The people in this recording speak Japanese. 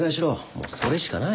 もうそれしかない。